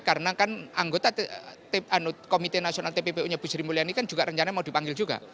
karena kan anggota komite nasional tppu nya bu sri mulyani kan juga rencananya mau dipanggil juga